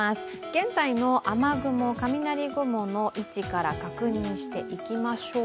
現在の雨雲、雷雲の位置から確認していきましょう。